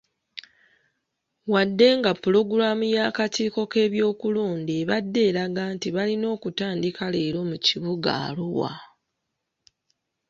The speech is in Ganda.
Wadde nga pulogulaamu y'akakiiko k'ebyokulonda ebadde eraga nti balina kutandika leero mu kibuga Arua.